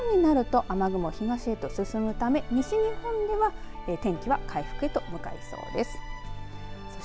そして夜になると雨雲、東へと進むため西日本では天気は回復へと向かいそうです。